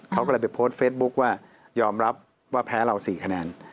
เขาก็เลยไปโพสต์เฟซบุ๊คว่ายอมรับว่าแพ้เรา๔คะแนน